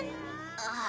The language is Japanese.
ああ。